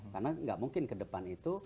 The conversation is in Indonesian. karena gak mungkin ke depan itu